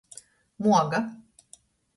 Muoga.